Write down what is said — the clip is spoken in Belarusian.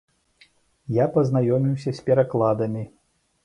Я пазнаёміўся з перакладамі.